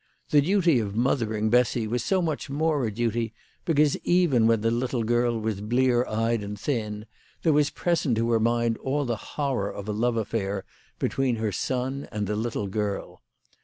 The duty of mothering Bessy was so much more a duty because, even when the little girl was blear eyed and thin, there was present to her mind all the horror of a love affair between her son and the little girl.